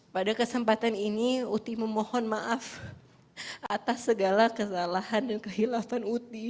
pada kesempatan ini uti memohon maaf atas segala kesalahan dan kehilafan uti